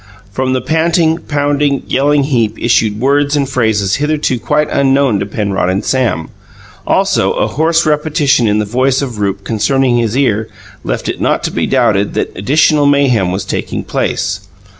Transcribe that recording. From the panting, pounding, yelling heap issued words and phrases hitherto quite unknown to Penrod and Sam; also, a hoarse repetition in the voice of Rupe concerning his ear left it not to be doubted that additional mayhem was taking place.